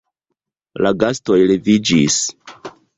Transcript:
La gastoj leviĝis.